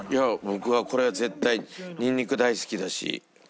僕はこれ絶対ニンニク大好きだし。